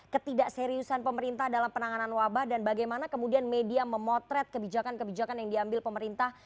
ketidakseriusan pemerintah dalam penanganan wabah dan bagaimana kemudian media memotret kebijakan kebijakan yang diambil pemerintah